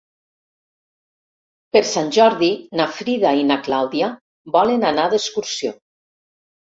Per Sant Jordi na Frida i na Clàudia volen anar d'excursió.